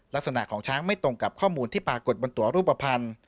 ลักษณะของช้างไม่ตรงกับข้อมูลที่ปรากฏบนตัวรูปภัณฑ์